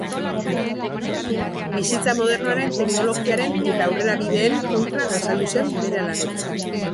Bizitza modernoaren teknologiaren eta aurrerabideen kontra azaldu zen bere lanetan.